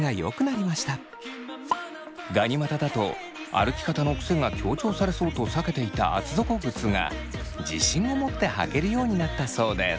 ガニ股だと歩き方の癖が強調されそうと避けていた厚底靴が自信を持って履けるようになったそうです。